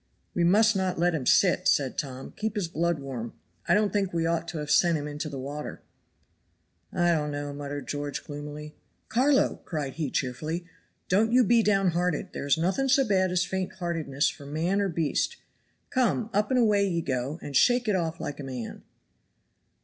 "We must not let him sit," said Tom; "keep his blood warm. I don't think we ought to have sent him into the water." "I don't know," muttered George, gloomily. "Carlo," cried he, cheerfully, "don't you be down hearted; there is nothing so bad as faint heartedness for man or beast. Come, up and away ye go, and shake it off like a man."